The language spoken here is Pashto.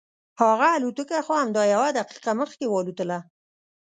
هغه الوتکه خو همدا یوه دقیقه مخکې والوتله.